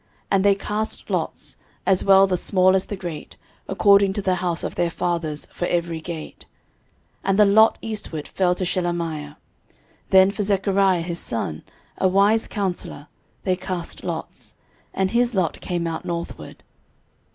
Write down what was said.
13:026:013 And they cast lots, as well the small as the great, according to the house of their fathers, for every gate. 13:026:014 And the lot eastward fell to Shelemiah. Then for Zechariah his son, a wise counsellor, they cast lots; and his lot came out northward.